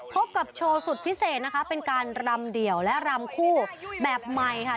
พบกับโชว์สุดพิเศษนะคะเป็นการรำเดี่ยวและรำคู่แบบใหม่ค่ะ